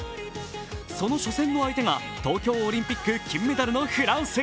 その初戦の相手が東京オリンピック金メダルのフランス。